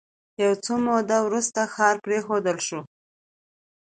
یو څه موده وروسته ښار پرېښودل شو.